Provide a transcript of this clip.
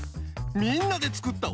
みんなでつくった